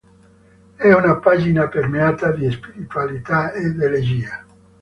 È una pagina permeata di spiritualità ed elegia.